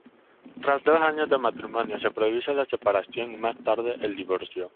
Tras dos años de matrimonio se produce la separación y más tarde el divorcio.